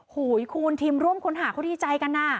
โหยคุณทีมร่วมค้นหาเขาดีใจกันนะ